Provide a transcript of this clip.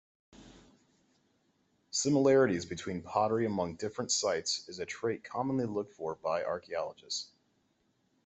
Similarities between pottery among different sites is a trait commonly looked for by archaeologists.